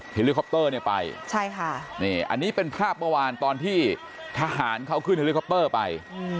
ไฮลิคอปเตอร์ไปอันนี้เป็นภาพเมื่อวานตอนที่ทหารเข้าขึ้นไฮลิคอปเตอร์ไป